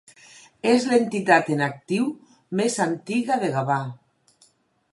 És l'entitat en actiu més antiga de Gavà.